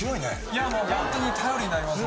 いやもうホントに頼りになります。